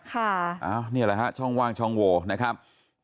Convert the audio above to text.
ค่ะอ้าวนี่แหละฮะช่องว่างช่องโหนะครับ